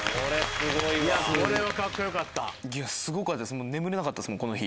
すごかったです。